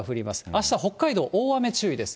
あした、北海道、大雨注意です。